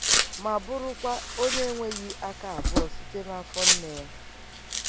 ma bụrụkwa onye enweghị aka abụọ site n'afọ nne ya